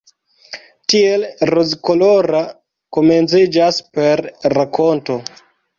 Tiel rozkolora komenciĝas la rakonto.